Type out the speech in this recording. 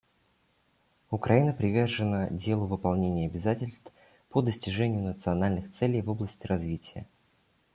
Украина привержена делу выполнения обязательств по достижению национальных целей в области развития.